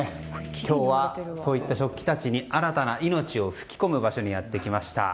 今日はそういった食器たちに新たな命を吹き込む場所にやってきました。